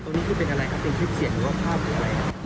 นี่คือเป็นอะไรครับเป็นคลิปเสียงหรือว่าภาพหรืออะไรครับ